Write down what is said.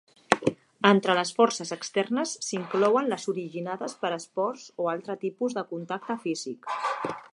Entre les forces externes s'inclouen les originades per esports o altre tipus de contacte físic.